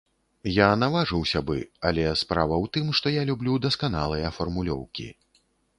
Я наважыўся бы, але справа ў тым, што я люблю дасканалыя фармулёўкі.